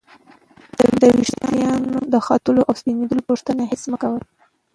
د ورېښتانو د ختلو او سپینیدلو پوښتنه هېڅ مه کوئ!